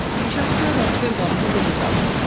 পিশাচকে ওর রক্তের গন্ধ পেতে দাও!